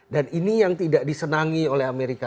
dan ini yang tidak disenangi oleh amerika